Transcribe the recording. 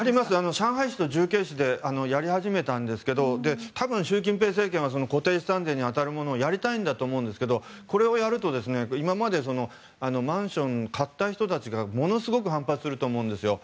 上海市と重慶市でやり始めたんですが多分、習近平政権は固定資産税に当たるものをやりたいんだと思うんですけどこれをやると今までマンションを買った人たちがものすごく反発すると思うんですよ。